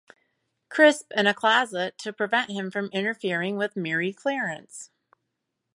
Crisp in a closet to prevent him from interfering with Mary Clarence.